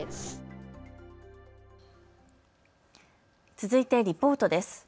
続いてリポートです。